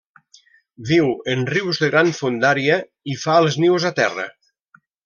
Viu en rius de gran fondària i fa els nius a terra.